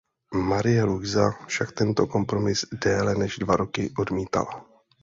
Marie Luisa však tento kompromis déle než dva roky odmítala.